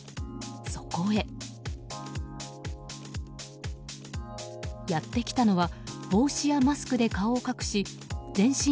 そこへやってきたのは帽子やマスクで顔を隠し全身